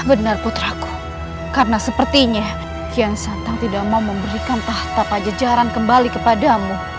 benar putraku karena sepertinya kian sateng tidak mau memberikan tahta pajejaran kembali kepadamu